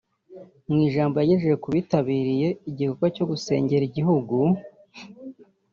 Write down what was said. Mu ijambo yagejeje ku bitabiriye igikorwa cyo gusengera igihugu